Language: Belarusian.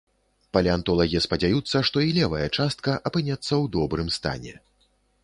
Палеантолагі спадзяюцца, што і левая частка апынецца ў добрым стане.